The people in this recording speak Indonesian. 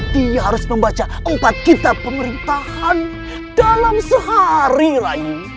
dia harus membaca empat kitab pemerintahan dalam sehari lagi